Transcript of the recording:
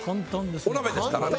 お鍋ですからね。